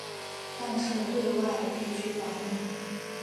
但是对外必须保密。